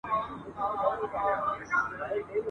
لښکر راغلی د طالبانو ..